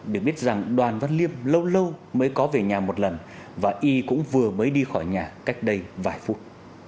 để biết rằng đoàn văn liêm lâu lâu mới có về nhà một lần và y cũng vừa mới đi khỏi nhà cách đây vài phút